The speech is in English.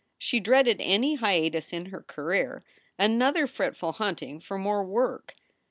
She dreaded any hiatus in her career, another fretful hunting for more work.